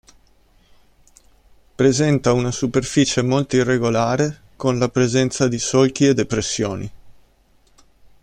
Presenta una superficie molto irregolare con la presenza di solchi e depressioni.